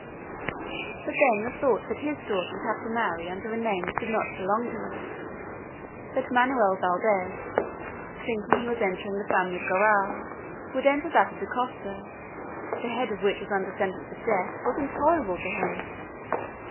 But then the thought that his daughter would have to marry under a name which did not belong to her, that Manoel Valdez, thinking he was entering the family of Garral, would enter that of Dacosta, the head of which was under sentence of death, was intolerable to him.